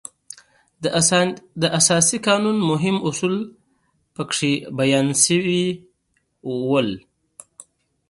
د اساسي قانون مهم اصول په کې بیان شوي وو.